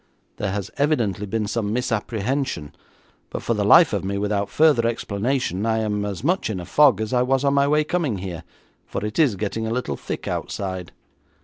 There has evidently been some misapprehension, but for the life of me, without further explanation, I am as much in a fog as I was on my way coming here, for it is getting a little thick outside.'